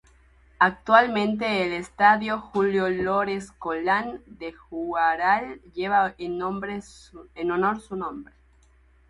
Actualmente el Estadio Julio Lores Colán de Huaral lleva en honor su nombre.